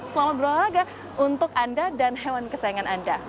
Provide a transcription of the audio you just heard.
selamat berolahraga untuk anda dan hewan kesayangan anda